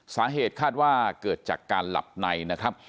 สาเหตุคาดว่าเกิดจากการหลับในนะครับ